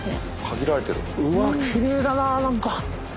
うわきれいだな何か。